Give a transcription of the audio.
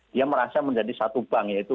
dia merasa menjadi satu bank yaitu